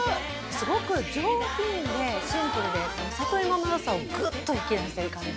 すごく上品でシンプルでこの里芋のよさをぐっと引き出してる感じ。